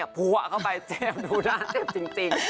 พวกเข้าไปเจ็บดูด้านเจ็บจริง